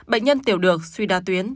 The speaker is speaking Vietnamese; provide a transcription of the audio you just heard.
bệnh nhân tiểu được suy đa tuyến